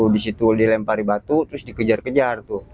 disitu dilempari batu terus dikejar kejar